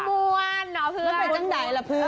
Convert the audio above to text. มันมว่านหรอเพื่อนมันเป็นจังใดล่ะเพื่อน